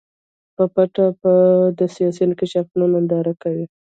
په پټه به د سیاسي انکشافاتو ننداره کوي.